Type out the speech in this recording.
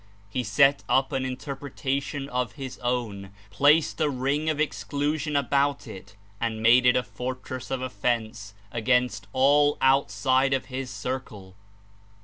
He set up an interpre tation of his own, placed a ring of exclusion about 16s it and made it a fortress of oft'ence against all outside of his circle.